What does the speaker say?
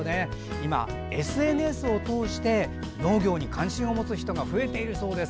今、ＳＮＳを通して農業に関心を持つ人が増えているそうです。